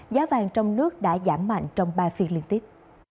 giá vàng trong nước đã giảm mạnh trong ba phiên liên tiếp